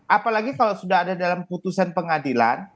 apalagi kalau sudah ada dalam putusan pengadilan